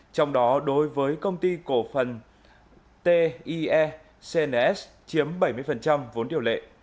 trong đó đối với công ty cổ phần tie cns chiếm bảy mươi vốn điều lệ